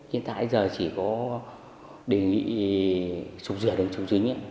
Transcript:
hiện tại giờ chỉ có đề nghị sụp rửa đường trục chính